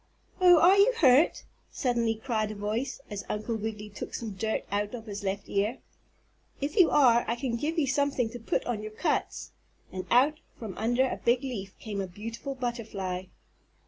"Oh, are you hurt?" suddenly cried a voice, as Uncle Wiggily took some dirt out of his left ear. "If you are I can give you something to put on your cuts," and out from under a big leaf came a beautiful butterfly.